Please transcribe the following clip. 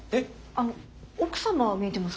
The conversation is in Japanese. あの奥様見えてますけど。